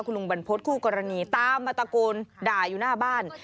ลุงบรรพฤษคู่กรณีตามมาตะโกนด่าอยู่หน้าบ้าน